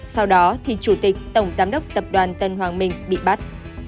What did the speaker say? sau đó thì chủ tịch tổng giám đốc tập đoàn tân hoàng minh bị bắt